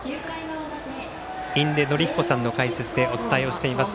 印出順彦さんの解説でお伝えしています。